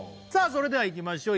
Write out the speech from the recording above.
それではいきましょう